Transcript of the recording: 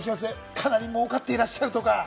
かなり儲かっていらっしゃるとか。